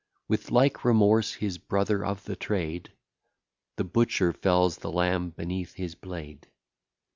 With like remorse his brother of the trade, The butcher, fells the lamb beneath his blade.